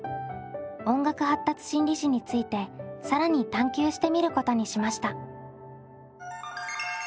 音楽発達心理士について更に探究してみることにしました。